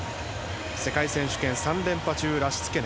世界選手権３連覇中ラシツケネ。